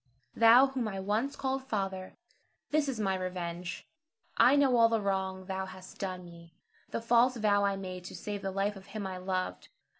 Thou whom I once called father, this is my revenge. I know all the wrong thou hast done me, the false vow I made to save the life of him I loved.